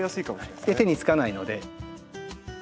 で手につかないので。